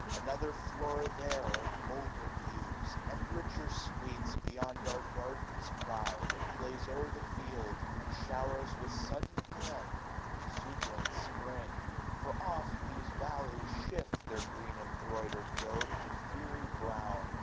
Another Flora there, of bolder hues. And richer sweets, beyond our garden's pride, 6gg Plays o'er the fields, and showers with sudden hand L 2 76 SUMMER. Exuberant spring : for oft these valleys shift Their green embroidered robe to fiery brown.